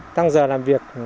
tăng giờ làm việc